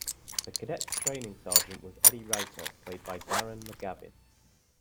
The cadets' training sergeant was Eddie Ryker, played by Darren McGavin.